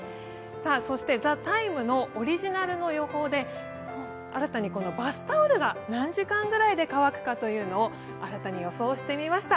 そして「ＴＨＥＴＩＭＥ，」のオリジナルの予報で新たにバスタオルが何時間ぐらいで乾くかということを新たに予想してみました。